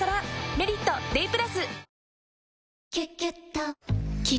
「メリットＤＡＹ＋」